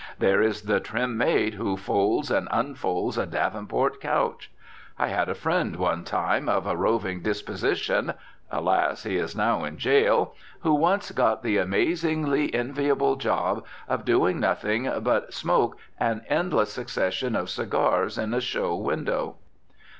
There is the trim maid who folds and unfolds a Davenport couch. I had a friend one time of a roving disposition (alas! he is now in jail) who once got the amazingly enviable job of doing nothing but smoke an endless succession of cigars in a show window.